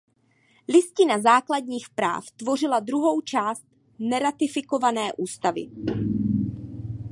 Listina základních práv tvořila druhou část neratifikované ústavy.